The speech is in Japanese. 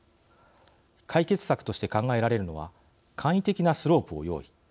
解決策として考えられるのは簡易的なスロープを用意